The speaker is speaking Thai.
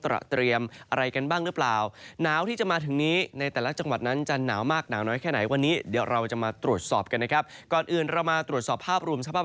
เราจะมาตรวจสอบกันนะครับก่อนอื่นเรามาตรวจสอบภาพรูมสภาพ